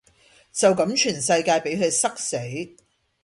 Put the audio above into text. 就咁全世界比佢塞死